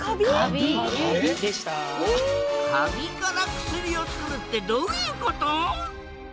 カビから薬をつくるってどういうこと？